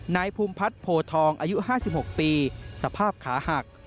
นายภูมิพัฒน์โพทองอายุ๕๖ปีสภาพขาหัก